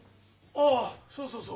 ああそうそうそう。